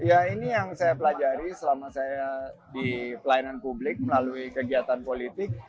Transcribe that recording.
ya ini yang saya pelajari selama saya di pelayanan publik melalui kegiatan politik